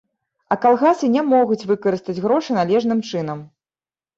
А калгасы не могуць выкарыстаць грошы належным чынам.